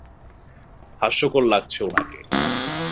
হাস্যকর লাগছে ওনাকে।